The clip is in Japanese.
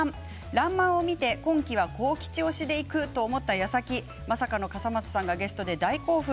「らんまん」を見て今期は幸吉推しでいくと思った矢先まさかの笠松さん、ゲストで大興奮。